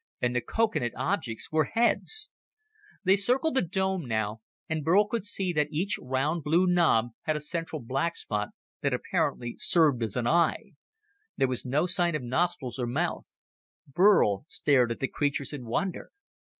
And the coconut objects were heads! They circled the dome now, and Burl could see that each round blue knob had a central black spot that apparently served as an eye. There was no sign of nostrils or mouth. Burl stared at the creatures in wonder.